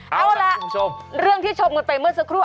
เอาแล้วเวลาที่ชมเลยไปเมื่อสักครู่